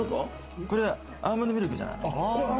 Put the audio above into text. これはアーモンドミルクじゃない？